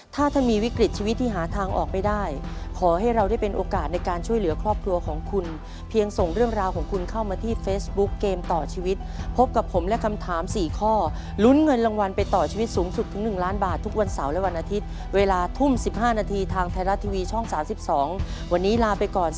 ถ้าท่านมีวิกฤตชีวิตที่หาทางออกไม่ได้ขอให้เราได้เป็นโอกาสในการช่วยเหลือครอบครัวของคุณเพียงส่งเรื่องราวของคุณเข้ามาที่เฟซบุ๊กเกมต่อชีวิตพบกับผมและคำถาม๔ข้อลุ้นเงินรางวัลไปต่อชีวิตสูงสุดถึง๑ล้านบาททุกวันเสาร์และวันอาทิตย์เวลาทุ่ม๑๕นาทีทางไทยรัฐทีวีช่อง๓๒วันนี้ลาไปก่อน